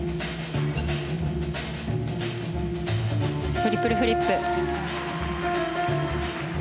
トリプルフリップ。